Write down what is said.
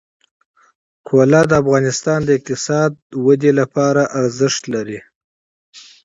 زغال د افغانستان د اقتصادي ودې لپاره ارزښت لري.